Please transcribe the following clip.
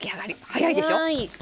早いでしょ！